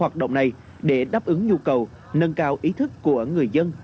hoạt động này để đáp ứng nhu cầu nâng cao ý thức của người dân